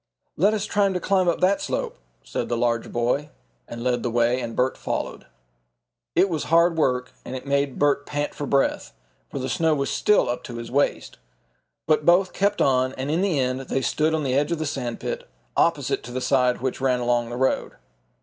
"Let us try to climb up that slope," said the larger boy and led the way, and Bert followed. It was hard work and it made Bert pant for breath, for the snow was still up to his waist. But both kept on, and in the end they stood on the edge of the sand pit, opposite to the side which ran along the road.